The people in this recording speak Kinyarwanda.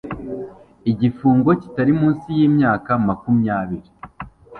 igifungo kitari munsi y imyaka makumyabiri